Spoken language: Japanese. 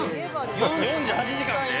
４８時間で？